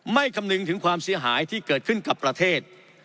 คำนึงถึงความเสียหายที่เกิดขึ้นกับประเทศ